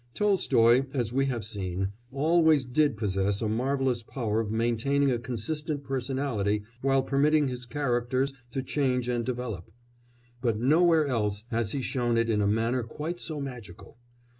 Tolstoy, as we have seen, always did possess a marvellous power of maintaining a consistent personality while permitting his characters to change and develop, but nowhere else has he shown it in a manner quite so magical.